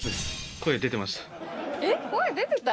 声出てた？